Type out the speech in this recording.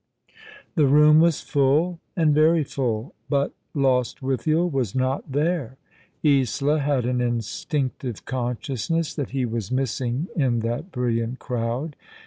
The room was full, and very full ; but Lostwithiel was not there. Isola had an instinctive consciousness that he was 62 All along the River. missing in that brilliant crowd.